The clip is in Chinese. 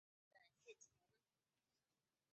庄河源是台湾的漫画家。